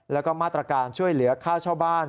แล้วก็มาตรการช่วยเหลือค่าเช่าบ้าน